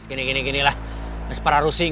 gini ginilah seorang rusing